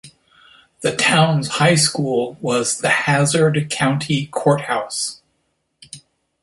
The town's high school was the Hazzard County Courthouse.